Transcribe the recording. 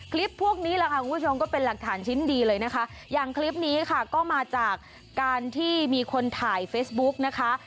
คลิปพวกนี้แหละค่ะคุณผู้ชมก็เป็นหลักฐานชิ้นดีเลยนะคะอย่างคลิปนี้ค่ะก็มาจากการที่มีคนถ่ายเฟซบุ๊กนะคะ